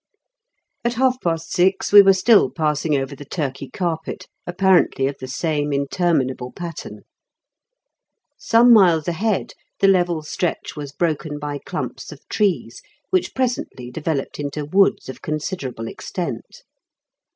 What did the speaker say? At half past six we were still passing over the Turkey carpet, apparently of the same interminable pattern. Some miles ahead the level stretch was broken by clumps of trees, which presently developed into woods of considerable extent.